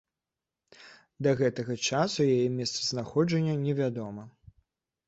Да гэтага часу яе месцазнаходжанне невядома.